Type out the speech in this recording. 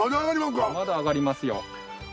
まだあがりますよ。